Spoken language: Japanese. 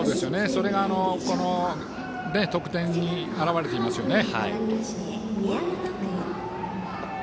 それが得点に表れていますよね。